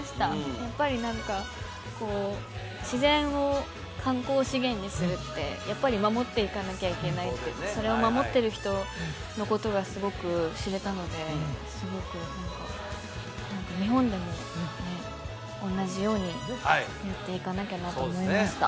やっぱり何かこう自然を観光資源にするってやっぱり守っていかなきゃいけないってそれを守ってる人のことがすごく知れたのですごく何か何か日本でもね同じようにやっていかなきゃなと思いました